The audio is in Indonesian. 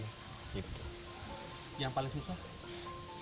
yang paling susah